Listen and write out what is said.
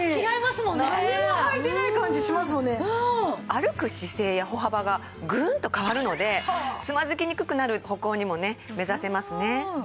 歩く姿勢や歩幅がグンと変わるのでつまずきにくくなる歩行にもね目指せますね。